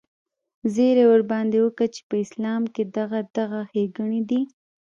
زيرى ورباندې وکه چې په اسلام کښې دغه دغه ښېګڼې دي.